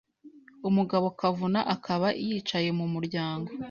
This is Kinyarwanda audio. Umugabo Kavuna akaba yicaye mu muryango